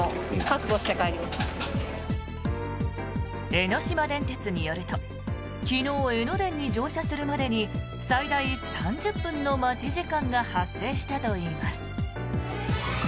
江ノ島電鉄によると昨日、江ノ電に乗車するまでに最大３０分の待ち時間が発生したといいます。